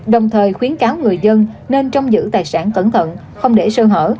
đồng thời khuyến cáo người dân nên trong giữ tài sản cẩn thận không để sơ hở